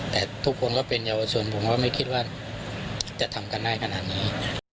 แต่ทุกคนก็เป็นเยาวชนผมก็ไม่คิดว่าจะทำกันได้ขนาดนี้